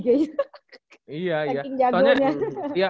sebenarnya ya bian kayak ke changing jagonya